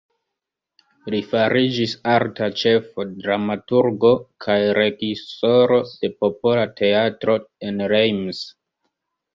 Li fariĝis arta ĉefo, dramaturgo kaj reĝisoro de Popola teatro en Reims.